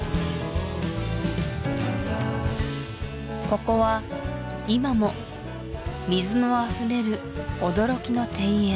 ここは今も水のあふれる驚きの庭園